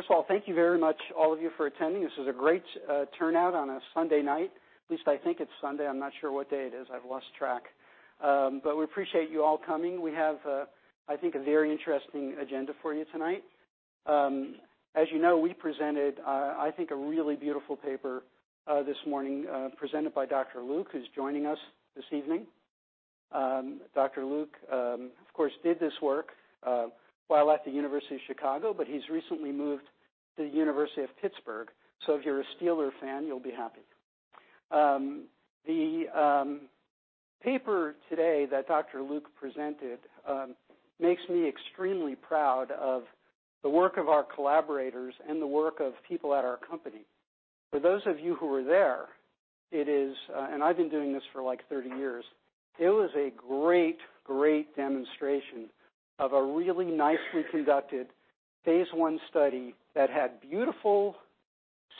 First of all, thank you very much all of you for attending. This is a great turnout on a Sunday night, at least I think it's Sunday. I'm not sure what day it is. I've lost track. We appreciate you all coming. We have, I think, a very interesting agenda for you tonight. As you know, we presented, I think, a really beautiful paper this morning presented by Dr. Luke, who's joining us this evening. Dr. Luke, of course, did this work while at the University of Chicago, but he's recently moved to the University of Pittsburgh. If you're a Steeler fan, you'll be happy. The paper today that Dr. Luke presented makes me extremely proud of the work of our collaborators and the work of people at our company. For those of you who were there, and I've been doing this for 30 years, it was a great demonstration of a really nicely conducted phase I study that had beautiful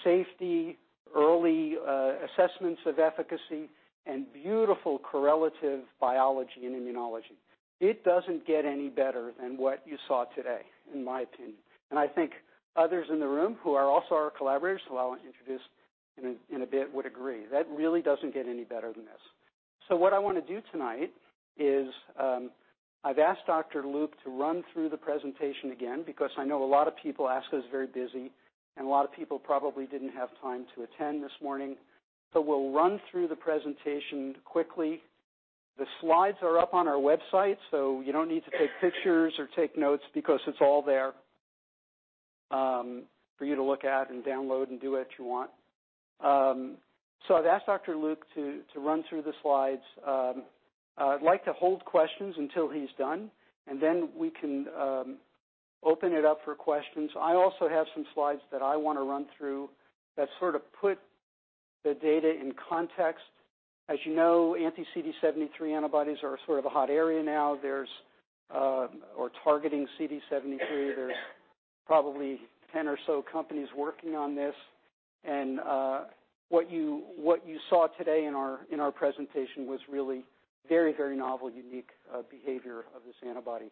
safety, early assessments of efficacy, and beautiful correlative biology and immunology. It doesn't get any better than what you saw today, in my opinion. I think others in the room who are also our collaborators, who I'll introduce in a bit, would agree. That really doesn't get any better than this. What I want to do tonight is, I've asked Dr. Luke to run through the presentation again because I know a lot of people, ASCO's very busy, and a lot of people probably didn't have time to attend this morning. We'll run through the presentation quickly. The slides are up on our website, you don't need to take pictures or take notes because it's all there for you to look at and download and do what you want. I've asked Dr. Luke to run through the slides. I'd like to hold questions until he's done, and then we can open it up for questions. I also have some slides that I want to run through that sort of put the data in context. As you know, anti-CD73 antibodies are sort of a hot area now. Targeting CD73, there's probably 10 or so companies working on this. What you saw today in our presentation was really very novel, unique behavior of this antibody.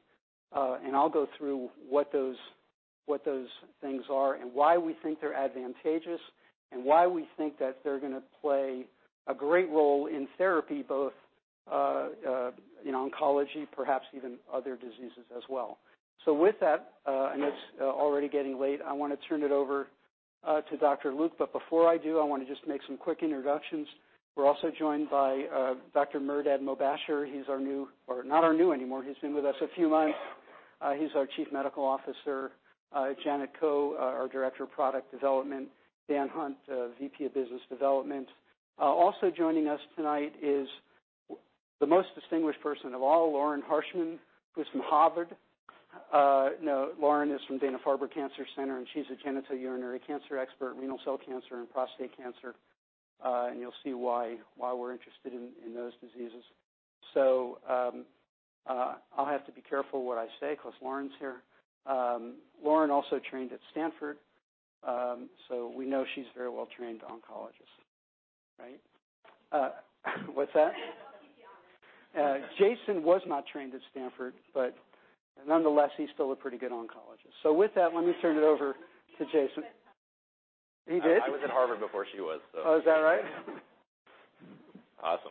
I'll go through what those things are and why we think they're advantageous and why we think that they're going to play a great role in therapy, both in oncology, perhaps even other diseases as well. With that, I know it's already getting late. I want to turn it over to Dr. Luke. Before I do, I want to just make some quick introductions. We're also joined by Dr. Mehrdad Mobasher. He's been with us a few months. He's our Chief Medical Officer. Janet Ko, our Director of Product Development. Dan Hunt, VP of Business Development. Also joining us tonight is the most distinguished person of all, Lauren Harshman, who's from Harvard University. No, Lauren is from Dana-Farber Cancer Institute, and she's a genitourinary cancer expert, renal cell cancer and prostate cancer. You'll see why we're interested in those diseases. I'll have to be careful what I say because Lauren's here. Lauren also trained at Stanford. We know she's a very well-trained oncologist, right? What's that? I'll keep you honest. Jason was not trained at Stanford, nonetheless, he's still a pretty good oncologist. With that, let me turn it over to Jason. He did? I was at Harvard before she was. Oh, is that right? Yeah. Awesome.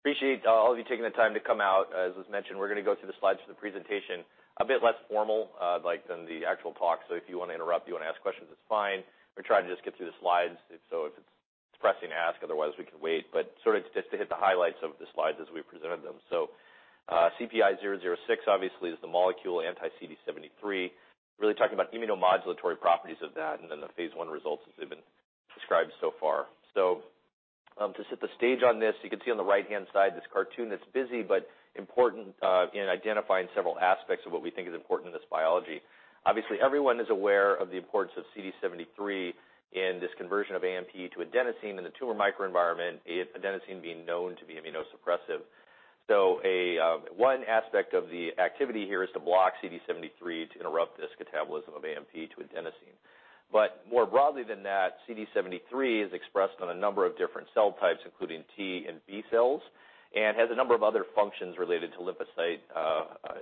Appreciate all of you taking the time to come out. As was mentioned, we're going to go through the slides for the presentation. A bit less formal than the actual talk, if you want to interrupt, you want to ask questions, it's fine. We'll try to just get through the slides. If it's pressing, ask. Otherwise, we can wait. Sort of just to hit the highlights of the slides as we presented them. CPI-006 obviously is the molecule anti-CD73. Really talking about immunomodulatory properties of that and then the phase I results as they've been described so far. To set the stage on this, you can see on the right-hand side this cartoon that's busy, but important in identifying several aspects of what we think is important in this biology. Obviously, everyone is aware of the importance of CD73 in this conversion of AMP to adenosine in the tumor microenvironment, adenosine being known to be immunosuppressive. One aspect of the activity here is to block CD73 to interrupt this catabolism of AMP to adenosine. More broadly than that, CD73 is expressed on a number of different cell types, including T and B cells, and has a number of other functions related to lymphocyte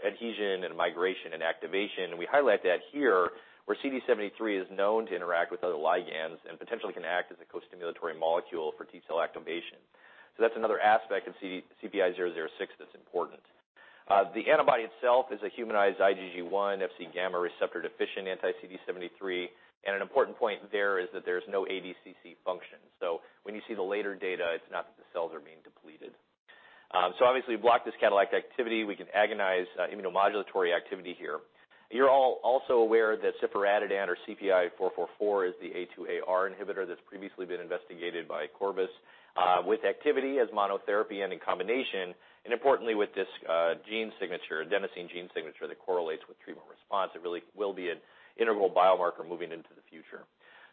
adhesion and migration and activation. We highlight that here, where CD73 is known to interact with other ligands and potentially can act as a co-stimulatory molecule for T cell activation. That's another aspect of CPI-006 that's important. The antibody itself is a humanized IgG1 Fc gamma receptor deficient anti-CD73. An important point there is that there's no ADCC function. When you see the later data, it's not that the cells are being depleted. Obviously block this catalytic activity, we can agonize immunomodulatory activity here. You're all also aware that ciforadenant, or CPI-444, is the A2AR inhibitor that's previously been investigated by Corvus, with activity as monotherapy and in combination, and importantly with this adenosine gene signature that correlates with treatment response. It really will be an integral biomarker moving into the future.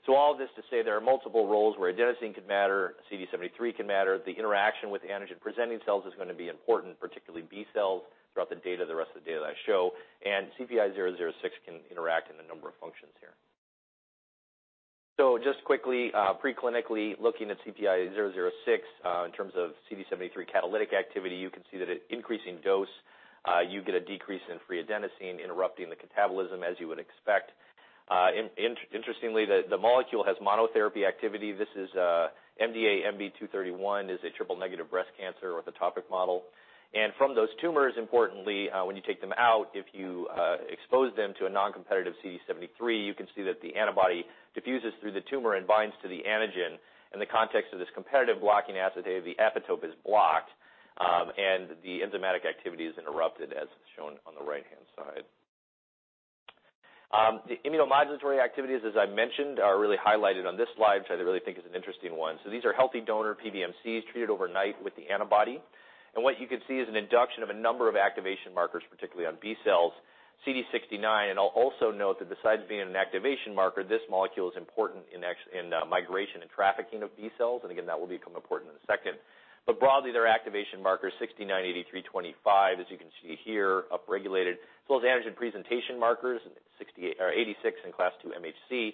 All of this to say there are multiple roles where adenosine could matter, CD73 could matter. The interaction with antigen-presenting cells is going to be important, particularly B cells, throughout the rest of the data that I show. CPI-006 can interact in a number of functions here. So just quickly, preclinically, looking at CPI-006 in terms of CD73 catalytic activity, you can see that at increasing dose, you get a decrease in free adenosine interrupting the catabolism as you would expect. Interestingly, the molecule has monotherapy activity. This is MDA-MB-231, is a triple negative breast cancer orthotopic model. From those tumors, importantly, when you take them out, if you expose them to a non-competitive CD73, you can see that the antibody diffuses through the tumor and binds to the antigen. In the context of this competitive blocking assay, the epitope is blocked, and the enzymatic activity is interrupted, as is shown on the right-hand side. The immunomodulatory activities, as I mentioned, are really highlighted on this slide, which I really think is an interesting one. These are healthy donor PBMCs treated overnight with the antibody. What you can see is an induction of a number of activation markers, particularly on B cells, CD69. I'll also note that besides being an activation marker, this molecule is important in migration and trafficking of B cells, and again, that will become important in a second. Broadly, their activation marker is 69, 83, 25, as you can see here, upregulated, as well as antigen presentation markers, 86 and class II MHC.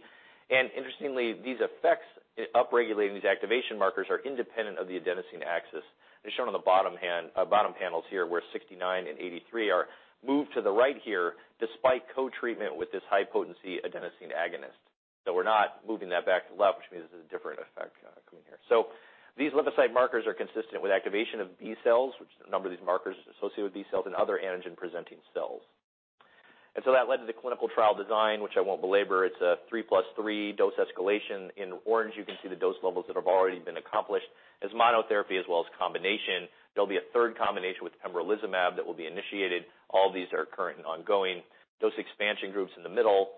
Interestingly, these effects upregulating these activation markers are independent of the adenosine axis, as shown on the bottom panels here, where 69 and 83 are moved to the right here despite co-treatment with this high-potency adenosine agonist. We're not moving that back to the left, which means this is a different effect coming here. These lymphocyte markers are consistent with activation of B cells, which a number of these markers are associated with B cells and other antigen-presenting cells. That led to the clinical trial design, which I won't belabor. It's a three plus three dose escalation. In orange, you can see the dose levels that have already been accomplished as monotherapy as well as combination. There'll be a third combination with pembrolizumab that will be initiated. All these are current and ongoing. Dose expansion group's in the middle.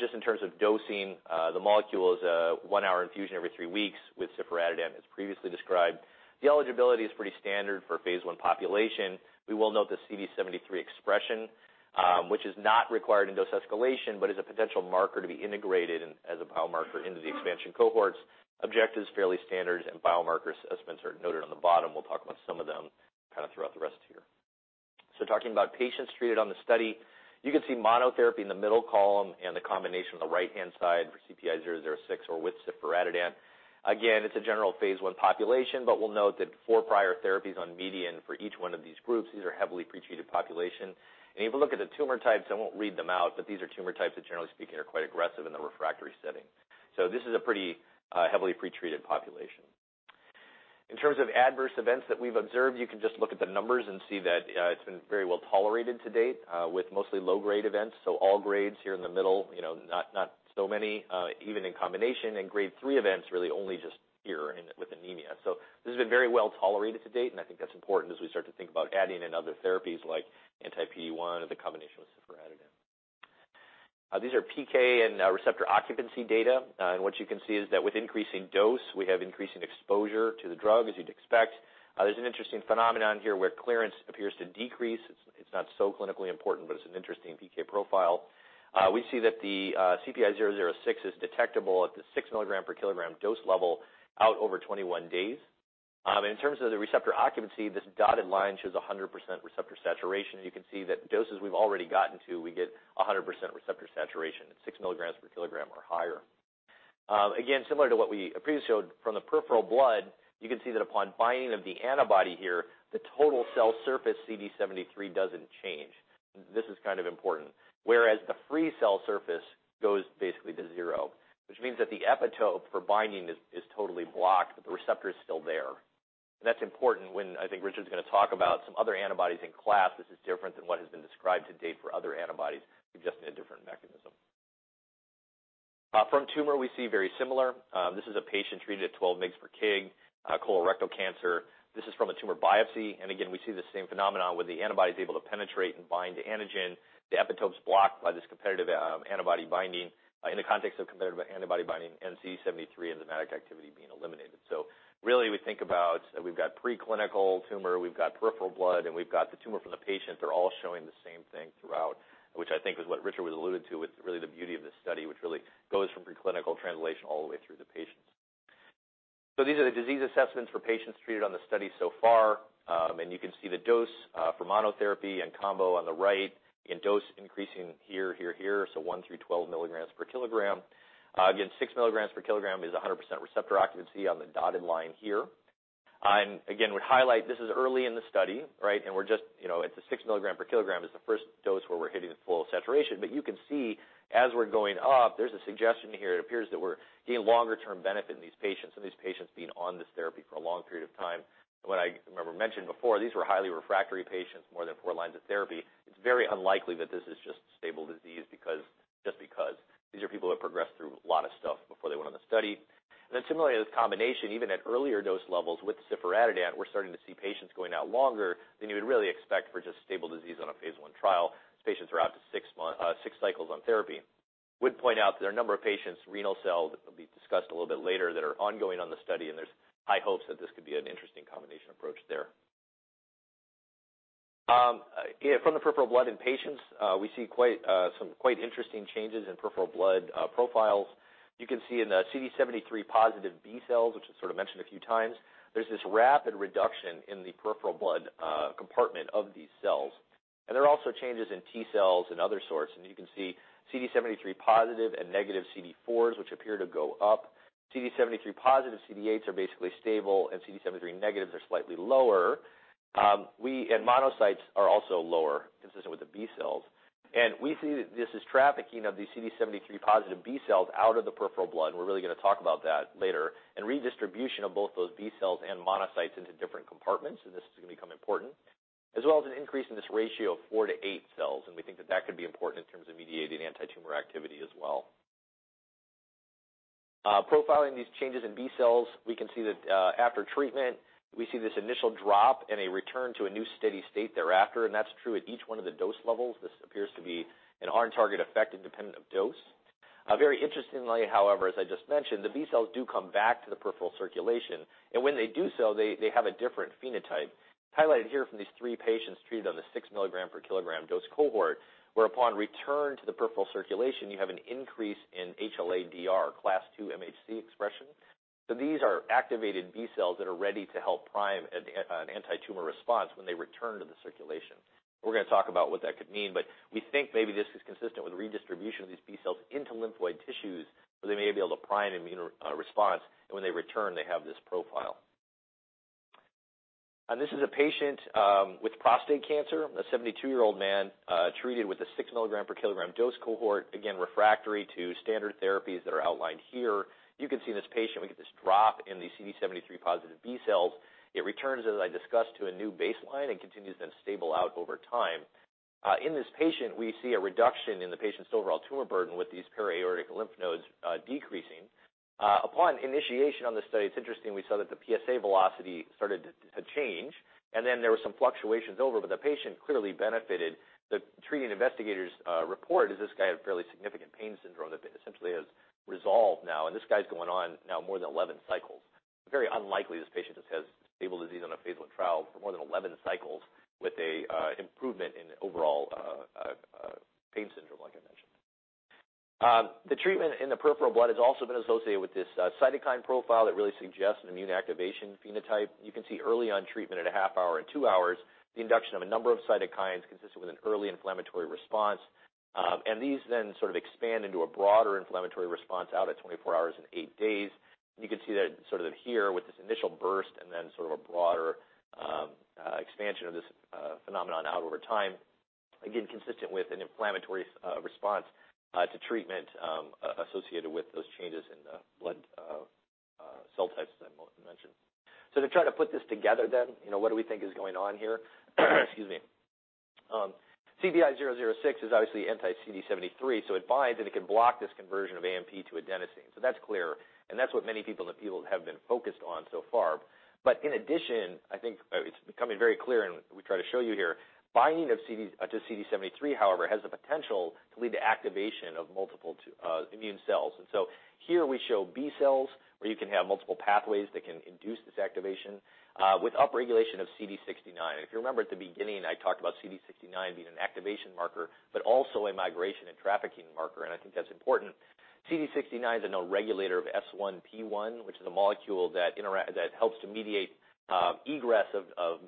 Just in terms of dosing, the molecule is a one-hour infusion every three weeks with ciforadenant, as previously described. The eligibility is pretty standard for a phase I population. We will note the CD73 expression, which is not required in dose escalation but is a potential marker to be integrated as a biomarker into the expansion cohorts. Objective's fairly standard, biomarker assessments are noted on the bottom. We'll talk about some of them throughout the rest here. Talking about patients treated on the study, you can see monotherapy in the middle column and the combination on the right-hand side for CPI-006 or with ciforadenant. Again, it's a general phase I population, but we'll note that four prior therapies on median for each one of these groups. These are a heavily pretreated population. If you look at the tumor types, I won't read them out, but these are tumor types that generally speaking, are quite aggressive in the refractory setting. This is a pretty heavily pretreated population. In terms of adverse events that we've observed, you can just look at the numbers and see that it's been very well tolerated to date with mostly low-grade events. All grades here in the middle, not so many even in combination, Grade 3 events really only just here with anemia. This has been very well tolerated to date, and I think that's important as we start to think about adding in other therapies like anti-PD-1 or the combination with ciforadenant. These are PK and receptor occupancy data. What you can see is that with increasing dose, we have increasing exposure to the drug, as you'd expect. There's an interesting phenomenon here where clearance appears to decrease. It's not so clinically important, but it's an interesting PK profile. We see that the CPI-006 is detectable at the 6 milligram per kilogram dose level out over 21 days. In terms of the receptor occupancy, this dotted line shows 100% receptor saturation. You can see that doses we've already gotten to, we get 100% receptor saturation at 6 milligrams per kilogram or higher. Again, similar to what we previously showed from the peripheral blood, you can see that upon binding of the antibody here, the total cell surface CD73 doesn't change. This is kind of important. Whereas the free cell surface goes basically to zero, which means that the epitope for binding is totally blocked, but the receptor is still there. That's important when I think Richard's going to talk about some other antibodies in class. This is different than what has been described to date for other antibodies with just a different mechanism. From tumor, we see very similar. This is a patient treated at 12 mgs per kg, colorectal cancer. This is from a tumor biopsy. Again, we see the same phenomenon where the antibody's able to penetrate and bind to antigen. The epitope's blocked by this competitive antibody binding. In the context of competitive antibody binding and CD73 enzymatic activity being eliminated. Really, we think about we've got preclinical tumor, we've got peripheral blood, and we've got the tumor from the patient. They're all showing the same thing throughout, which I think is what Richard was alluding to with really the beauty of this study, which really goes from preclinical translation all the way through the patients. These are the disease assessments for patients treated on the study so far. You can see the dose for monotherapy and combo on the right and dose increasing here, here. 1 through 12 milligrams per kilogram. Again, 6 milligrams per kilogram is 100% receptor occupancy on the dotted line here. Again, would highlight this is early in the study, right? At the 6 milligram per kilogram is the first dose where we're hitting full saturation. You can see as we're going up, there's a suggestion here. It appears that we're getting longer-term benefit in these patients. Some of these patients have been on this therapy for a long period of time. What I remember mentioning before, these were highly refractory patients, more than 4 lines of therapy. It's very unlikely that this is just stable disease just because these are people that progressed through a lot of stuff before they went on the study. Similarly, this combination, even at earlier dose levels with ciforadenant, we're starting to see patients going out longer than you would really expect for just stable disease on a phase I trial. These patients are out to 6 cycles on therapy. Would point out there are a number of patients, renal cell, that will be discussed a little bit later that are ongoing on the study, and there's high hopes that this could be an interesting combination approach there. From the peripheral blood in patients, we see some quite interesting changes in peripheral blood profiles. You can see in the CD73 positive B cells, which was sort of mentioned a few times, there's this rapid reduction in the peripheral blood compartment of these cells. There are also changes in T cells and other sorts. You can see CD73 positive and negative CD4s, which appear to go up. CD73 positive CD8s are basically stable, and CD73 negatives are slightly lower. Monocytes are also lower, consistent with the B cells. We see that this is trafficking of these CD73 positive B cells out of the peripheral blood, we're really going to talk about that later, and redistribution of both those B cells and monocytes into different compartments. This is going to become important. As well as an increase in this ratio of 4 to 8 cells, we think that that could be important in terms of mediating antitumor activity as well. Profiling these changes in B cells, we can see that after treatment, we see this initial drop and a return to a new steady state thereafter, and that's true at each one of the dose levels. This appears to be an on-target effect independent of dose. Very interestingly, however, as I just mentioned, the B cells do come back to the peripheral circulation, and when they do so, they have a different phenotype. Highlighted here from these three patients treated on the 6 mg per kilogram dose cohort, where upon return to the peripheral circulation, you have an increase in HLA-DR class II MHC expression. These are activated B cells that are ready to help prime an antitumor response when they return to the circulation. We're going to talk about what that could mean, we think maybe this is consistent with redistribution of these B cells into lymphoid tissues, where they may be able to prime immune response, and when they return, they have this profile. This is a patient with prostate cancer, a 72-year-old man treated with a 6 mg per kilogram dose cohort, again, refractory to standard therapies that are outlined here. You can see in this patient, we get this drop in the CD73 positive B cells. It returns, as I discussed, to a new baseline and continues then to stable out over time. In this patient, we see a reduction in the patient's overall tumor burden with these paraaortic lymph nodes decreasing. Upon initiation on this study, it's interesting, we saw that the PSA velocity started to change, and then there were some fluctuations over, but the patient clearly benefited. The treating investigator's report is this guy had a fairly significant pain syndrome that essentially has resolved now, and this guy's going on now more than 11 cycles. Very unlikely this patient just has stable disease on a fatal trial for more than 11 cycles with a improvement in overall pain syndrome, like I mentioned. The treatment in the peripheral blood has also been associated with this cytokine profile that really suggests an immune activation phenotype. You can see early on treatment at a half hour and two hours, the induction of a number of cytokines consistent with an early inflammatory response. These then sort of expand into a broader inflammatory response out at 24 hours and 8 days. You can see that sort of here with this initial burst and then sort of a broader expansion of this phenomenon out over time. Again, consistent with an inflammatory response to treatment associated with those changes in the blood cell types that I mentioned. To try to put this together then, what do we think is going on here? Excuse me. CPI-006 is obviously anti-CD73, it binds and it can block this conversion of AMP to adenosine. That's clear, and that's what many people in the field have been focused on so far. In addition, I think it's becoming very clear, and we try to show you here, binding to CD73, however, has the potential to lead to activation of multiple immune cells. Here we show B cells, where you can have multiple pathways that can induce this activation with upregulation of CD69. If you remember at the beginning, I talked about CD69 being an activation marker, but also a migration and trafficking marker, and I think that's important. CD69 is a known regulator of S1P1, which is a molecule that helps to mediate egress of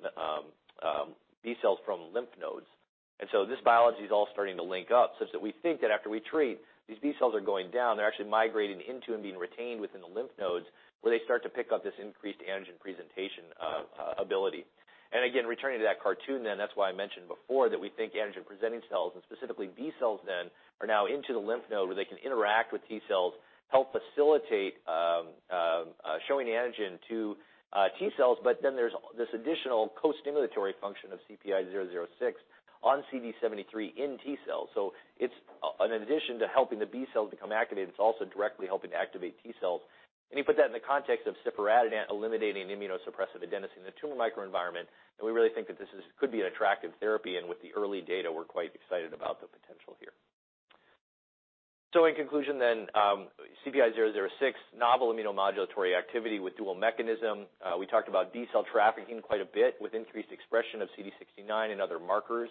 B cells from lymph nodes. This biology is all starting to link up such that we think that after we treat, these B cells are going down. They're actually migrating into and being retained within the lymph nodes, where they start to pick up this increased antigen presentation ability. Again, returning to that cartoon then, that's why I mentioned before that we think antigen-presenting cells, and specifically B cells then, are now into the lymph node where they can interact with T cells, help facilitate showing the antigen to T cells. There's this additional co-stimulatory function of CPI-006 on CD73 in T cells. It's an addition to helping the B cells become activated. It's also directly helping to activate T cells. You put that in the context of ciforadenant eliminating immunosuppressive adenosine in the tumor microenvironment, we really think that this could be an attractive therapy, with the early data, we're quite excited about the potential here. In conclusion then, CPI-006, novel immunomodulatory activity with dual mechanism. We talked about B cell trafficking quite a bit with increased expression of CD69 and other markers,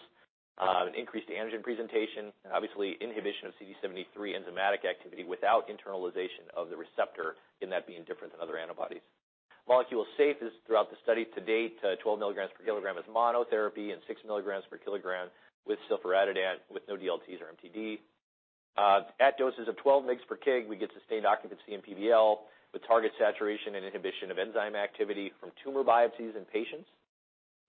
an increased antigen presentation, and obviously inhibition of CD73 enzymatic activity without internalization of the receptor in that being different than other antibodies. Molecule safe is throughout the study to date, 12 milligrams per kilogram as monotherapy and 6 milligrams per kilogram with ciforadenant with no DLTs or MTD. At doses of 12 mgs per kg, we get sustained occupancy in PDL with target saturation and inhibition of enzyme activity from tumor biopsies in patients.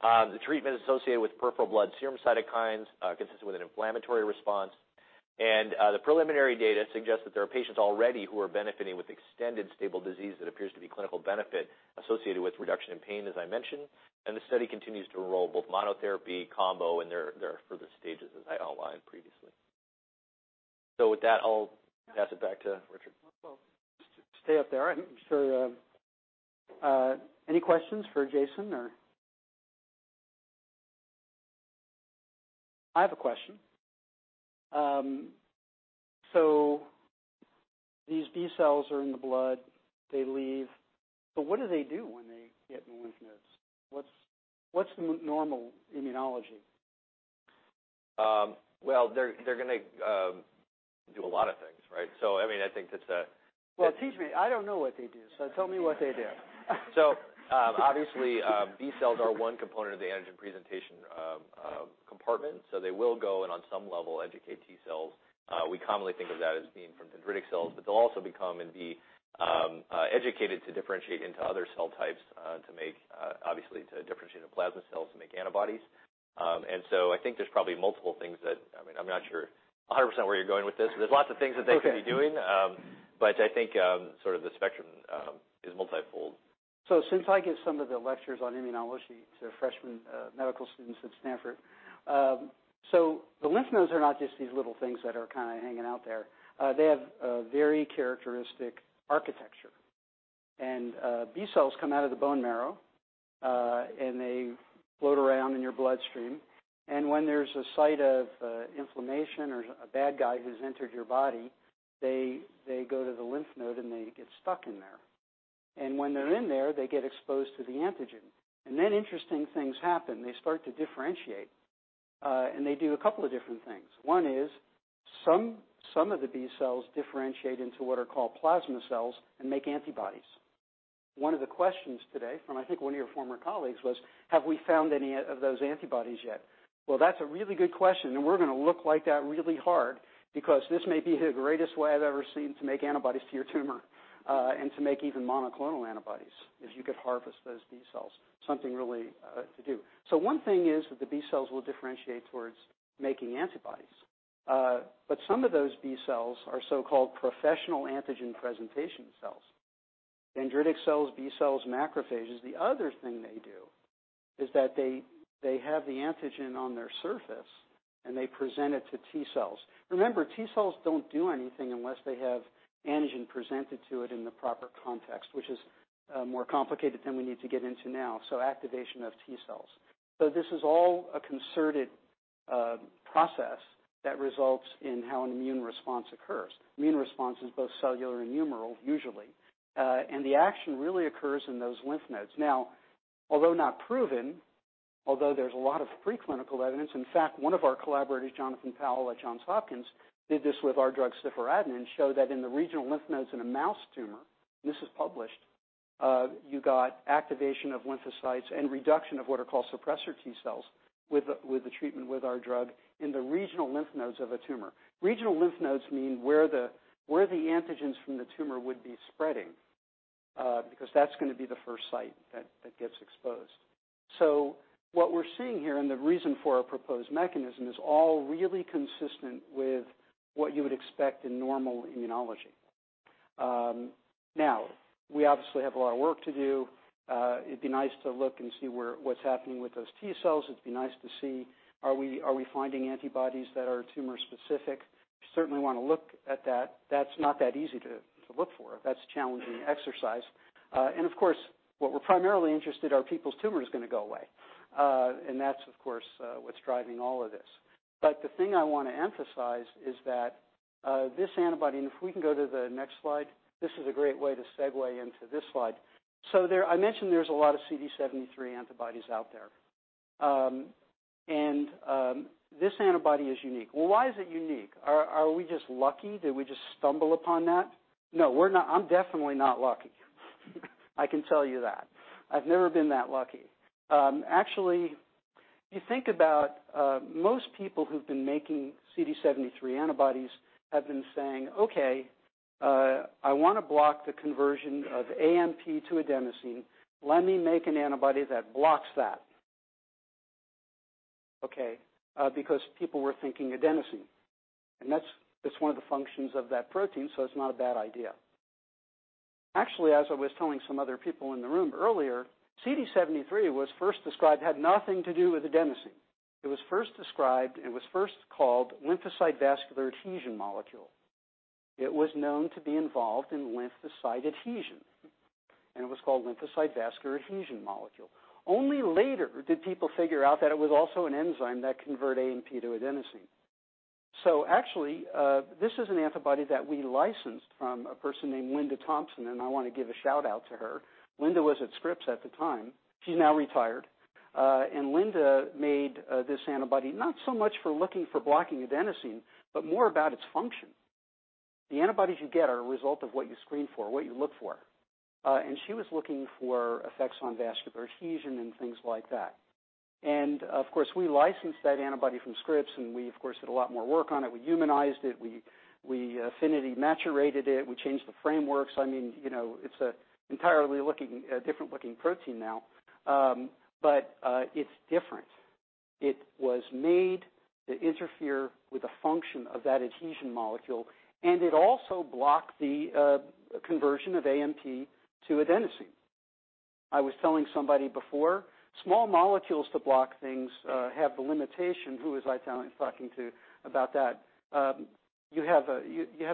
The treatment associated with peripheral blood serum cytokines consistent with an inflammatory response. The preliminary data suggests that there are patients already who are benefiting with extended stable disease that appears to be clinical benefit associated with reduction in pain, as I mentioned. The study continues to enroll both monotherapy combo and there are further stages as I outlined previously. With that, I'll pass it back to Richard. Well, stay up there. I'm sure. Any questions for Jason, or? I have a question. These B cells are in the blood, they leave. What do they do when they get in the lymph nodes? What's the normal immunology? Well, they're going to do a lot of things, right? Well, teach me. I don't know what they do, tell me what they do. B cells are one component of the antigen presentation compartment. They will go and, on some level, educate T-cells. We commonly think of that as being from dendritic cells, but they'll also become and be educated to differentiate into other cell types, obviously to differentiate into plasma cells and make antibodies. I think there's probably multiple things that I'm not sure 100% where you're going with this. There's lots of things that they could be doing. Okay. I think sort of the spectrum is multifold. Since I give some of the lectures on immunology to freshman medical students at Stanford, the lymph nodes are not just these little things that are kind of hanging out there. They have a very characteristic architecture. B cells come out of the bone marrow, and they float around in your bloodstream. When there's a site of inflammation or a bad guy who's entered your body, they go to the lymph node, and they get stuck in there. When they're in there, they get exposed to the antigen. Then interesting things happen. They start to differentiate. They do a couple of different things. One is some of the B cells differentiate into what are called plasma cells and make antibodies. One of the questions today from I think one of your former colleagues was, have we found any of those antibodies yet? Well, that's a really good question, we're going to look like that really hard because this may be the greatest way I've ever seen to make antibodies to your tumor, and to make even monoclonal antibodies, is you could harvest those B cells. Something really to do. One thing is that the B cells will differentiate towards making antibodies. Some of those B cells are so-called professional antigen presentation cells. Dendritic cells, B cells, macrophages. The other thing they do is that they have the antigen on their surface, they present it to T-cells. Remember, T-cells don't do anything unless they have antigen presented to it in the proper context, which is more complicated than we need to get into now, activation of T-cells. This is all a concerted process that results in how an immune response occurs. Immune response is both cellular and humoral, usually. The action really occurs in those lymph nodes. Although not proven, although there's a lot of preclinical evidence, in fact, one of our collaborators, Jonathan Powell at Johns Hopkins, did this with our drug ciforadenant and showed that in the regional lymph nodes in a mouse tumor, and this is published, you got activation of lymphocytes and reduction of what are called suppressor T cells with the treatment with our drug in the regional lymph nodes of a tumor. Regional lymph nodes mean where the antigens from the tumor would be spreading because that's going to be the first site that gets exposed. What we're seeing here, and the reason for our proposed mechanism, is all really consistent with what you would expect in normal immunology. We obviously have a lot of work to do. It'd be nice to look and see what's happening with those T cells. It'd be nice to see, are we finding antibodies that are tumor-specific? We certainly want to look at that. That's not that easy to look for. That's a challenging exercise. Of course, what we're primarily interested, are people's tumors going to go away? That's, of course, what's driving all of this. The thing I want to emphasize is that this antibody, if we can go to the next slide, this is a great way to segue into this slide. I mentioned there's a lot of CD73 antibodies out there. This antibody is unique. Why is it unique? Are we just lucky? Did we just stumble upon that? We're not. I'm definitely not lucky. I can tell you that. I've never been that lucky. You think about most people who've been making CD73 antibodies have been saying, "I want to block the conversion of AMP to adenosine. Let me make an antibody that blocks that." Because people were thinking adenosine, and that's one of the functions of that protein, so it's not a bad idea. As I was telling some other people in the room earlier, CD73 was first described, had nothing to do with adenosine. It was first described, it was first called lymphocyte vascular adhesion molecule. It was known to be involved in lymphocyte adhesion, and it was called lymphocyte vascular adhesion molecule. Later did people figure out that it was also an enzyme that convert AMP to adenosine. This is an antibody that we licensed from a person named Linda Thompson, and I want to give a shout-out to her. Linda was at Scripps at the time. She's now retired. Linda made this antibody not so much for looking for blocking adenosine, but more about its function. The antibodies you get are a result of what you screen for, what you look for. She was looking for effects on vascular adhesion and things like that. Of course, we licensed that antibody from Scripps, and we, of course, did a lot more work on it. We humanized it. We affinity maturated it. We changed the frameworks. It's an entirely different-looking protein now. It's different. It was made to interfere with the function of that adhesion molecule, and it also blocked the conversion of AMP to adenosine. I was telling somebody before, small molecules to block things have the limitation. Who was I talking to about that? You have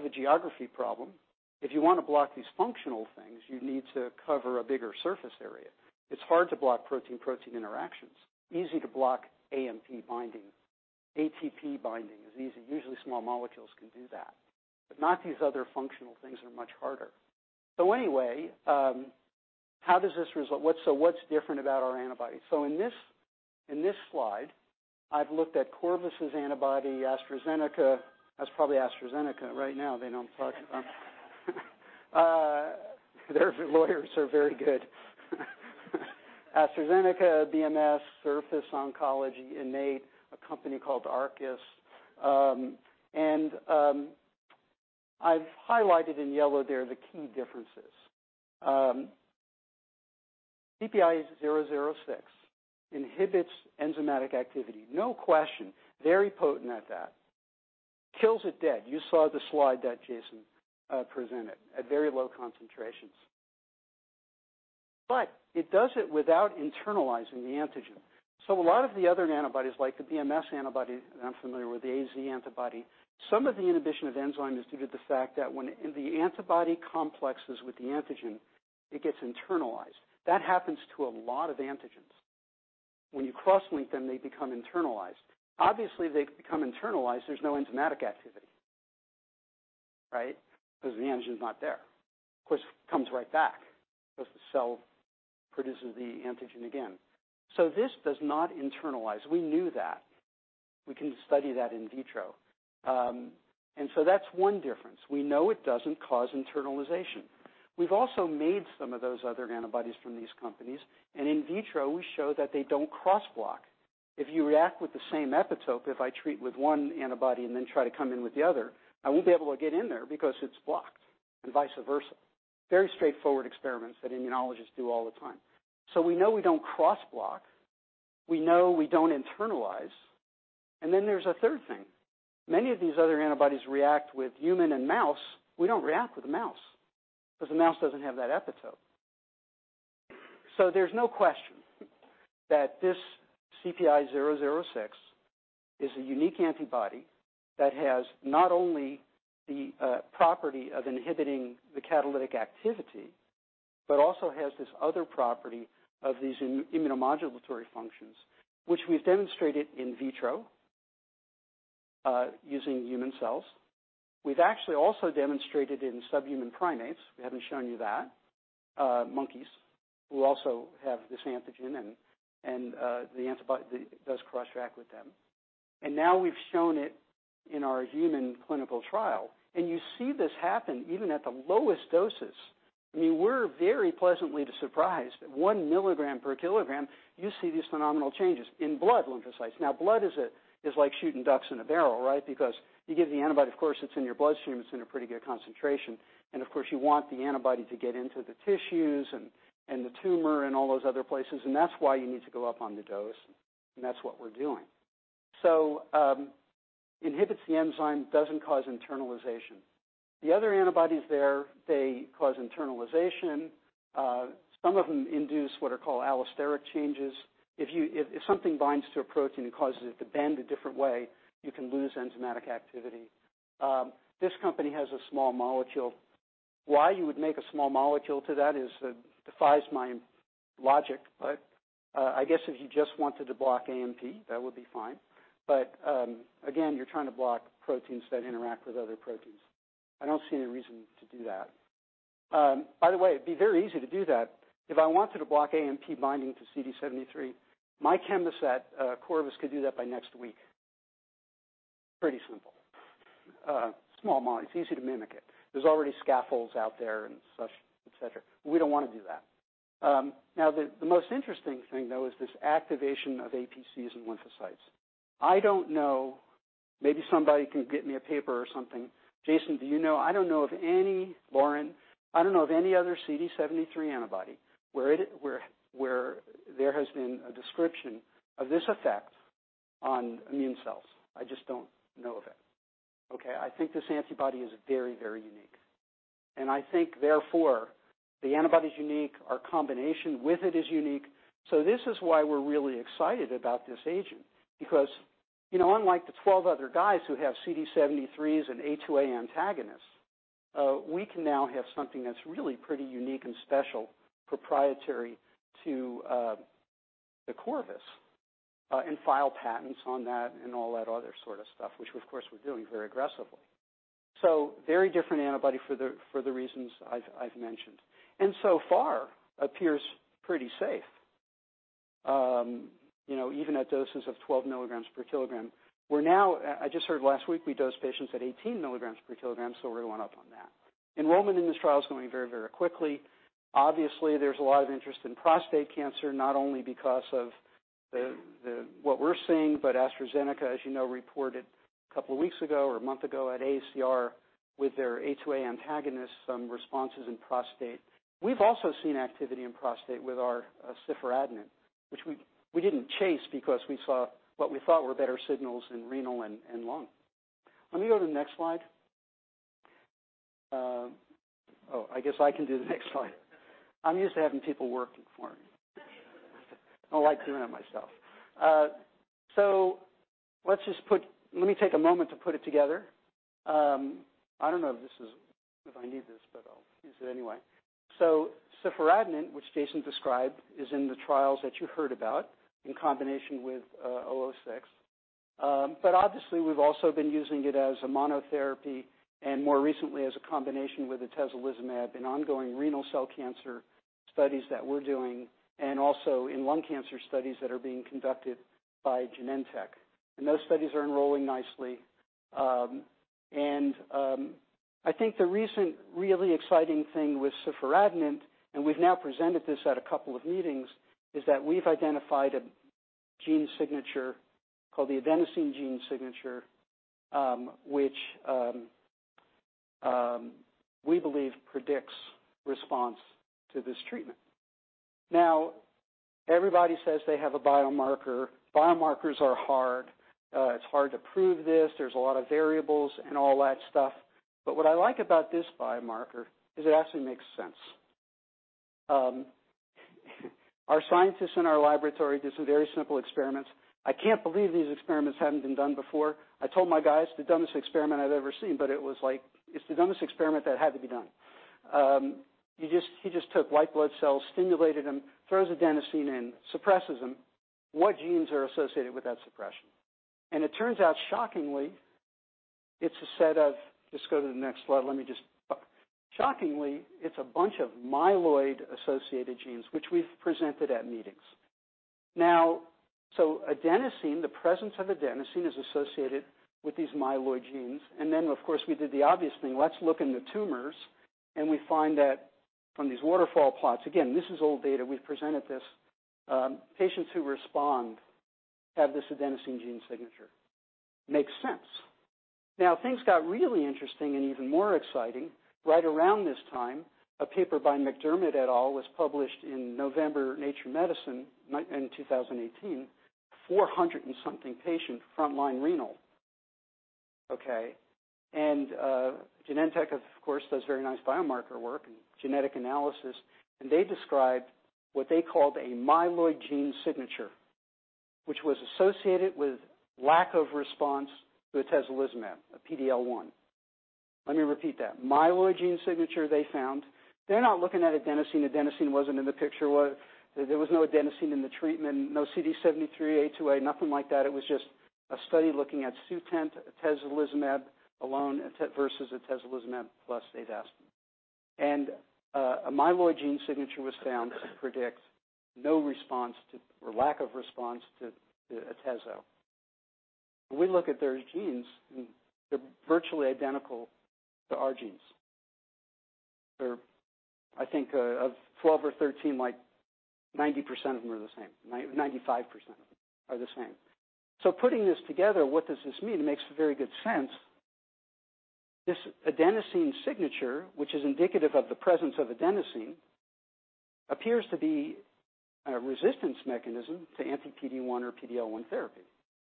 a geography problem. If you want to block these functional things, you need to cover a bigger surface area. It's hard to block protein-protein interactions. Easy to block AMP binding. ATP binding is easy. Usually, small molecules can do that. Not these other functional things are much harder. Anyway, how does this result? What's different about our antibody? In this slide, I've looked at Corvus' antibody, AstraZeneca. That's probably AstraZeneca right now they don't talk about. Their lawyers are very good. AstraZeneca, BMS, Surface Oncology, Innate, a company called Arcus. And I've highlighted in yellow there the key differences. CPI-006 inhibits enzymatic activity. No question, very potent at that. Kills it dead. You saw the slide that Jason presented at very low concentrations. It does it without internalizing the antigen. A lot of the other antibodies, like the BMS antibody that I'm familiar with, the AZ antibody, some of the inhibition of enzyme is due to the fact that when the antibody complexes with the antigen, it gets internalized. That happens to a lot of antigens. When you cross-link them, they become internalized. Obviously, they become internalized, there's no enzymatic activity, right, because the antigen's not there. Of course, it comes right back because the cell produces the antigen again. This does not internalize. We knew that. We can study that in vitro. That's one difference. We know it doesn't cause internalization. We've also made some of those other antibodies from these companies, and in vitro we show that they don't cross-block. If you react with the same epitope, if I treat with one antibody and then try to come in with the other, I won't be able to get in there because it's blocked and vice versa. Very straightforward experiments that immunologists do all the time. We know we don't cross-block. We know we don't internalize. Then there's a third thing. Many of these other antibodies react with human and mouse. We don't react with the mouse because the mouse doesn't have that epitope. There's no question that this CPI-006 is a unique antibody that has not only the property of inhibiting the catalytic activity, but also has this other property of these immunomodulatory functions, which we've demonstrated in vitro using human cells. We've actually also demonstrated in subhuman primates, we haven't shown you that, monkeys who also have this antigen, and the antibody does cross-react with them. Now we've shown it in our human clinical trial. You see this happen even at the lowest doses. We were very pleasantly surprised. At one milligram per kilogram, you see these phenomenal changes in blood lymphocytes. Blood is like shooting ducks in a barrel, right? Because you give the antibody, of course, it's in your bloodstream, it's in a pretty good concentration. Of course, you want the antibody to get into the tissues and the tumor and all those other places, and that's why you need to go up on the dose. That's what we're doing. Inhibits the enzyme, doesn't cause internalization. The other antibodies there, they cause internalization. Some of them induce what are called allosteric changes. If something binds to a protein and causes it to bend a different way, you can lose enzymatic activity. This company has a small molecule. Why you would make a small molecule to that defies my logic. I guess if you just wanted to block AMP, that would be fine. Again, you're trying to block proteins that interact with other proteins. I don't see any reason to do that. By the way, it'd be very easy to do that. If I wanted to block AMP binding to CD73, my chemist at Corvus could do that by next week. Pretty simple. Small molecule. It's easy to mimic it. There's already scaffolds out there and such, et cetera. We don't want to do that. The most interesting thing, though, is this activation of APCs and lymphocytes. I don't know, maybe somebody can get me a paper or something. Jason, do you know? I don't know of any, Lauren, I don't know of any other CD73 antibody where there has been a description of this effect on immune cells. I just don't know of it. Okay? I think this antibody is very, very unique. I think, therefore, the antibody's unique, our combination with it is unique. This is why we're really excited about this agent because unlike the 12 other guys who have CD73s and A2A antagonists, we can now have something that's really pretty unique and special proprietary to Corvus and file patents on that and all that other sort of stuff, which of course we're doing very aggressively. Very different antibody for the reasons I've mentioned. And so far appears pretty safe even at doses of 12 milligrams per kilogram. I just heard last week we dosed patients at 18 milligrams per kilogram. We're going to up on that. Enrollment in this trial is going very, very quickly. Obviously, there's a lot of interest in prostate cancer, not only because of what we're seeing, but AstraZeneca, as you know, reported a couple of weeks ago or a month ago at AACR with their A2A antagonist, some responses in prostate. We've also seen activity in prostate with our ciforadenant, which we didn't chase because we saw what we thought were better signals in renal and lung. Let me go to the next slide. I guess I can do the next slide. I'm used to having people working for me. I don't like doing it myself. Let me take a moment to put it together. I don't know if I need this, I'll use it anyway. Ciforadenant, which Jason described, is in the trials that you heard about in combination with 006. Obviously we've also been using it as a monotherapy and more recently as a combination with atezolizumab in ongoing renal cell cancer studies that we're doing, and also in lung cancer studies that are being conducted by Genentech. Those studies are enrolling nicely. I think the recent really exciting thing with ciforadenant, and we've now presented this at a couple of meetings, is that we've identified a gene signature called the adenosine gene signature, which we believe predicts response to this treatment. Everybody says they have a biomarker. Biomarkers are hard. It's hard to prove this. There's a lot of variables and all that stuff. What I like about this biomarker is it actually makes sense. Our scientists in our laboratory did some very simple experiments. I can't believe these experiments hadn't been done before. I told my guys, "The dumbest experiment I've ever seen," but it was the dumbest experiment that had to be done. He just took white blood cells, stimulated them, throws adenosine in, suppresses them. What genes are associated with that suppression? It turns out, shockingly, it's a bunch of myeloid-associated genes, which we've presented at meetings. Adenosine, the presence of adenosine is associated with these myeloid genes. Then, of course, we did the obvious thing. Let's look in the tumors, and we find that from these waterfall plots, again, this is old data. We've presented this. Patients who respond have this adenosine gene signature. Makes sense. Things got really interesting and even more exciting right around this time. A paper by McDermott et al. was published in November, Nature Medicine in 2018. 400 and something patient frontline renal. Okay. Genentech, of course, does very nice biomarker work and genetic analysis, and they described what they called a myeloid gene signature, which was associated with lack of response to atezolizumab, a PD-L1. Let me repeat that. Myeloid gene signature they found. They're not looking at adenosine. Adenosine wasn't in the picture. There was no adenosine in the treatment, no CD73, A2A, nothing like that. It was just a study looking at SUTENT, atezolizumab alone versus atezolizumab plus Avastin. A myeloid gene signature was found to predict no response to or lack of response to atezo. When we look at their genes, they're virtually identical to our genes. I think of 12 or 13, 90% of them are the same. 95% are the same. Putting this together, what does this mean? It makes very good sense. This adenosine signature, which is indicative of the presence of adenosine, appears to be a resistance mechanism to anti-PD-1 or PD-L1 therapy.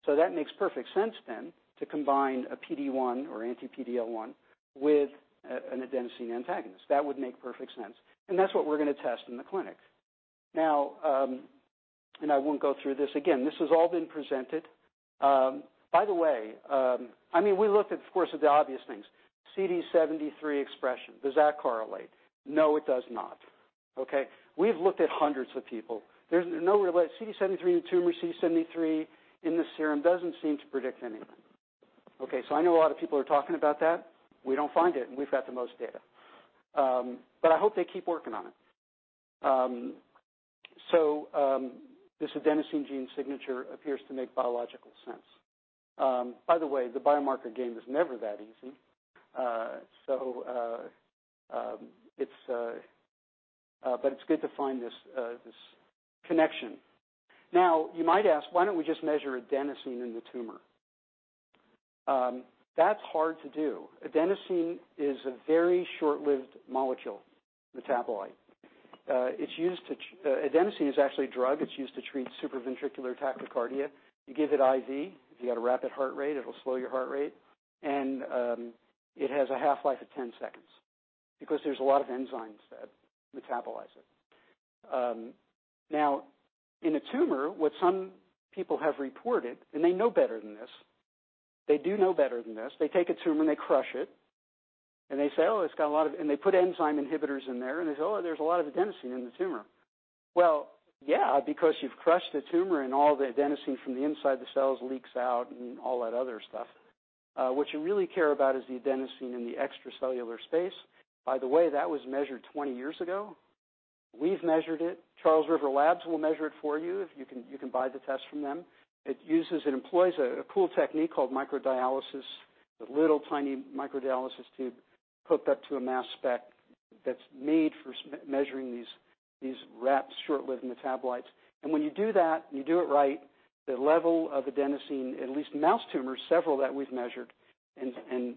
That makes perfect sense then to combine a PD-1 or anti-PD-L1 with an adenosine antagonist. That would make perfect sense. That's what we're going to test in the clinic. I won't go through this again. This has all been presented. By the way, we looked at, of course the obvious things. CD73 expression, does that correlate? No, it does not. Okay. We've looked at hundreds of people. There's no CD73 in the tumor, CD73 in the serum doesn't seem to predict anything. Okay. I know a lot of people are talking about that. We don't find it, and we've got the most data. I hope they keep working on it. This adenosine gene signature appears to make biological sense. By the way, the biomarker game is never that easy. It's good to find this connection. You might ask, why don't we just measure adenosine in the tumor? That's hard to do. Adenosine is a very short-lived molecule metabolite. Adenosine is actually a drug. It's used to treat supraventricular tachycardia. You give it IV. If you've got a rapid heart rate, it'll slow your heart rate, and it has a half-life of 10 seconds because there's a lot of enzymes that metabolize it. In a tumor, what some people have reported, and they know better than this, they do know better than this. They take a tumor, they crush it, they say, "Oh, it's got a lot of." They put enzyme inhibitors in there, they say, "Oh, there's a lot of adenosine in the tumor." Yeah, because you've crushed the tumor, and all the adenosine from the inside of the cells leaks out and all that other stuff. You really care about is the adenosine in the extracellular space. By the way, that was measured 20 years ago. We've measured it. Charles River Labs will measure it for you if you can buy the test from them. It employs a cool technique called microdialysis. The little tiny microdialysis tube hooked up to a mass spec that's made for measuring these wrapped short-lived metabolites. When you do that, you do it right, the level of adenosine, at least mouse tumors, several that we've measured and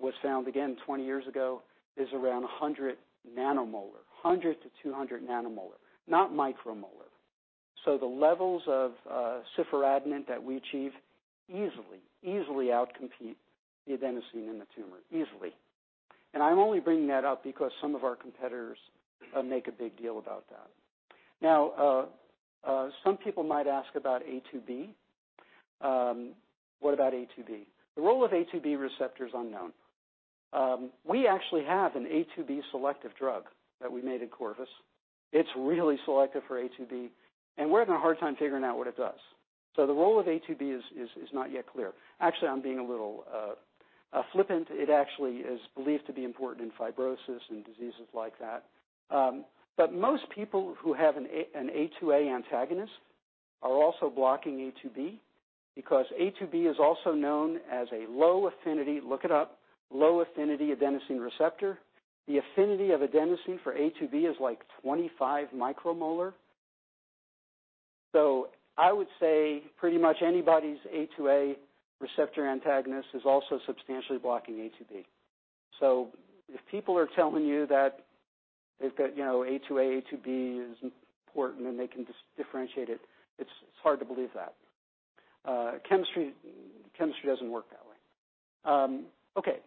was found, again, 20 years ago, is around 100 nanomolar, 100 to 200 nanomolar, not micromolar. The levels of ciforadenant that we achieve easily outcompete the adenosine in the tumor, easily. I'm only bringing that up because some of our competitors make a big deal about that. Some people might ask about A2B. What about A2B? The role of A2B receptor is unknown. We actually have an A2B selective drug that we made at Corvus. It's really selective for A2B, and we're having a hard time figuring out what it does. The role of A2B is not yet clear. I'm being a little flippant. It actually is believed to be important in fibrosis and diseases like that. Most people who have an A2A antagonist are also blocking A2B, because A2B is also known as a low affinity, look it up, low affinity adenosine receptor. The affinity of adenosine for A2B is like 25 micromolar. I would say pretty much anybody's A2A receptor antagonist is also substantially blocking A2B. If people are telling you that they've got A2A, A2B is important and they can differentiate it's hard to believe that. Chemistry doesn't work that way. Okay.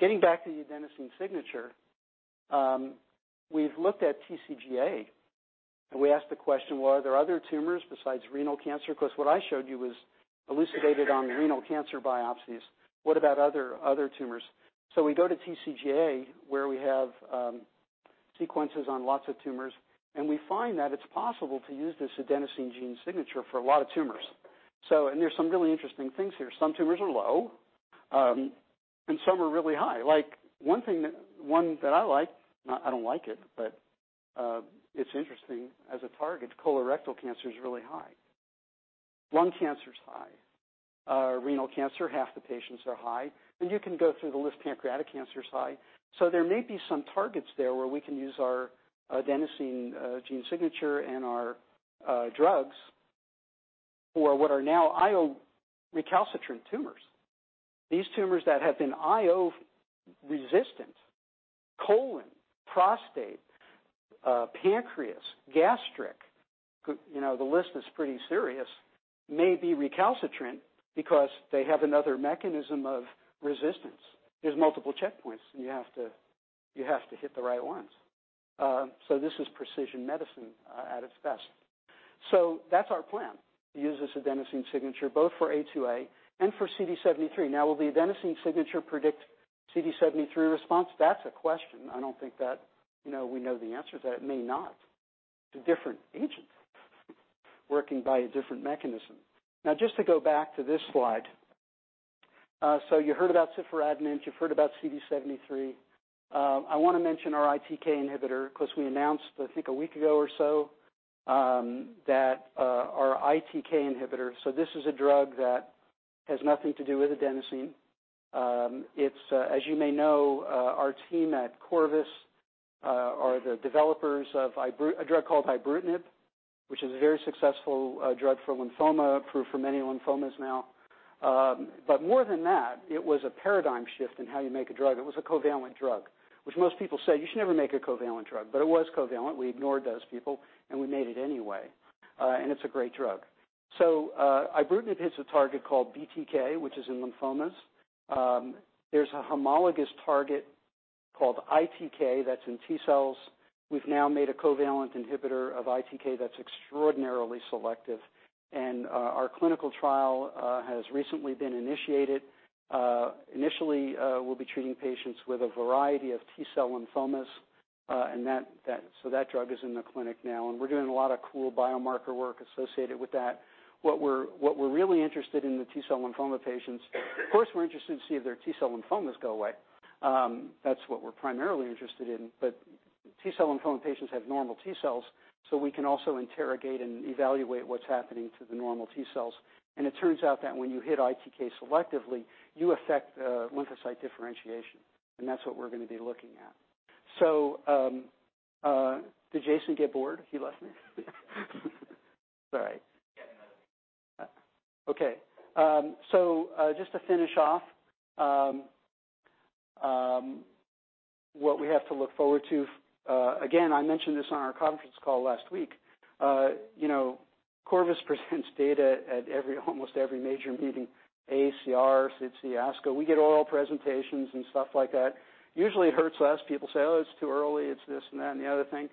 Getting back to the adenosine signature, we've looked at TCGA, and we asked the question, are there other tumors besides renal cancer? Because what I showed you was elucidated on renal cancer biopsies. What about other tumors? We go to TCGA, where we have sequences on lots of tumors, and we find that it's possible to use this adenosine gene signature for a lot of tumors. There's some really interesting things here. Some tumors are low, and some are really high. One that I like, I don't like it, but it's interesting as a target, colorectal cancer is really high. Lung cancer is high. Renal cancer, half the patients are high. You can go through the list. Pancreatic cancer is high. There may be some targets there where we can use our adenosine gene signature and our drugs for what are now IO recalcitrant tumors. These tumors that have been IO resistant, colon, prostate, pancreas, gastric, the list is pretty serious, may be recalcitrant because they have another mechanism of resistance. There's multiple checkpoints, and you have to hit the right ones. This is precision medicine at its best. That's our plan, to use this adenosine signature both for A2A and for CD73. Will the adenosine signature predict CD73 response? That's a question. I don't think that we know the answer to that. It may not. It's a different agent working by a different mechanism. Just to go back to this slide. You heard about ciforadenant, you've heard about CD73. I want to mention our ITK inhibitor because we announced, I think, a week ago or so, that our ITK inhibitor. This is a drug that has nothing to do with adenosine. As you may know, our team at Corvus are the developers of a drug called ibrutinib, which is a very successful drug for lymphoma, approved for many lymphomas now. More than that, it was a paradigm shift in how you make a drug. It was a covalent drug, which most people say, "You should never make a covalent drug." It was covalent. We ignored those people, and we made it anyway. It's a great drug. ibrutinib hits a target called BTK, which is in lymphomas. There's a homologous target called ITK that's in T-cells. We've now made a covalent inhibitor of ITK that's extraordinarily selective. Our clinical trial has recently been initiated. Initially, we'll be treating patients with a variety of T-cell lymphomas. That drug is in the clinic now, and we're doing a lot of cool biomarker work associated with that. What we're really interested in the T-cell lymphoma patients, of course, we're interested to see if their T-cell lymphomas go away. That's what we're primarily interested in, T-cell lymphoma patients have normal T-cells, so we can also interrogate and evaluate what's happening to the normal T-cells. It turns out that when you hit ITK selectively, you affect lymphocyte differentiation. That's what we're going to be looking at. Did Jason get bored? He left me? It's all right. Yeah. Okay. Just to finish off, what we have to look forward to. Again, I mentioned this on our conference call last week. Corvus presents data at almost every major meeting, AACR, SITC, ASCO. We get oral presentations and stuff like that. Usually it hurts us. People say, "Oh, it's too early, it's this and that and the other thing."